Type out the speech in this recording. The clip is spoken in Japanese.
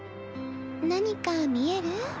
何か見える？